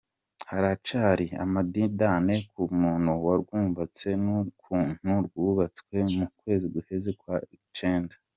Haracari amadidane ku muntu warwubatse n'ukuntu rwubatswe mu kwezi guheze kwa cenda.